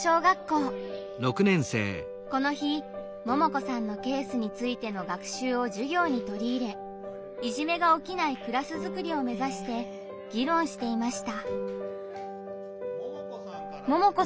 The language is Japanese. この日ももこさんのケースについての学習を授業に取り入れいじめが起きないクラスづくりを目指して議論していました。